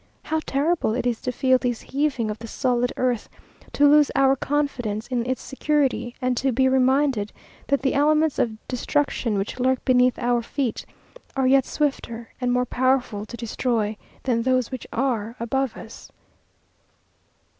how terrible it is to feel this heaving of the solid earth, to lose our confidence in its security, and to be reminded that the elements of destruction which lurk beneath our feet, are yet swifter and more powerful to destroy, than those which are above us.